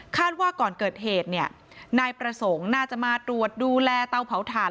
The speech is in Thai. ว่าก่อนเกิดเหตุเนี่ยนายประสงค์น่าจะมาตรวจดูแลเตาเผาถ่าน